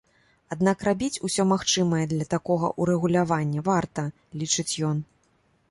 Аднак рабіць усё магчымае для такога ўрэгулявання варта, лічыць ён.